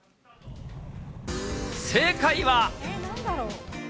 正解は。